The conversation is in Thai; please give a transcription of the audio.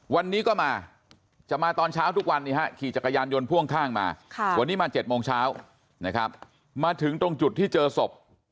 วันนี้ก็มาจะมาตอนเช้าทุกวันนี้ฮะขี่จักรยานยนต์พ่วงข้างมาวันนี้มา๗โมงเช้านะครับมาถึงตรงจุดที่เจอศพ